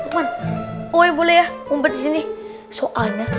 woi boleh ya umpet sini soalnya